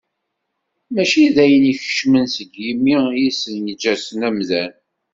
Mačči d ayen ikeččmen seg yimi i yessenǧasen amdan.